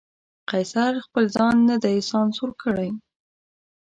قیصر چې خپل ځان نه دی سانسور کړی.